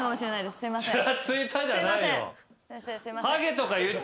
すいません。